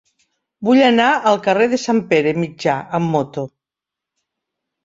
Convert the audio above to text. Vull anar al carrer de Sant Pere Mitjà amb moto.